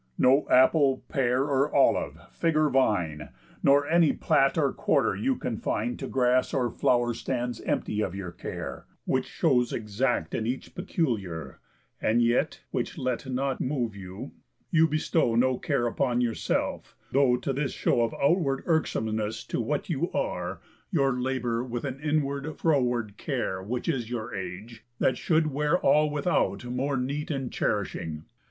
No apple, pear, or olive, fig; or vine, Nor any plat or quarter you confine To grass or flow'rs stands empty of your care, Which shows exact in each peculiar; And yet (which let not move you) you bestow No care upon yourself, though to this show Of outward irksomeness to what you are You labour with an inward froward care, Which is your age, that should wear all without More neat and cherishing.